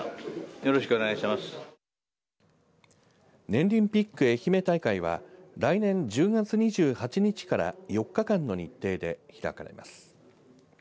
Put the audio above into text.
ねんりんピックえひめ大会は来年１０月２８日から４日間の日程で開かれます。